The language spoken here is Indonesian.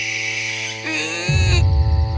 lalu dia menemukan sebuah pintu yang bergerak